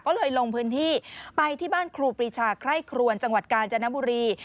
ก็เลยลงพื้นที่ไปที่บ้านครูปรีชาไคร่ครวนจังหวัดกาญจนบุรี